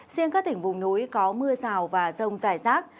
riêng các tỉnh vùng núi có mưa rào và rông dài rác